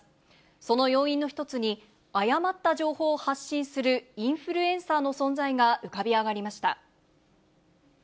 その要因の一つに、誤った情報を発信するインフルエンサーの存在が浮かび上がりました。